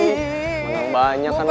ih menang banyak kan lo